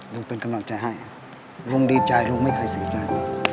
ลุงเป็นกำลังใจให้ลุงดีใจลุงไม่เคยเสียใจ